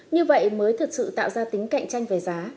như vậy mới thực sự tạo ra tính cạnh tranh về giá